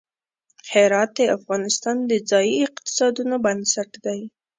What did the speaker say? هرات د افغانستان د ځایي اقتصادونو بنسټ دی.